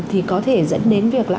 thì có thể dẫn đến việc là